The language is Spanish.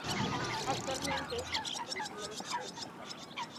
Actualmente es una sede titular episcopal.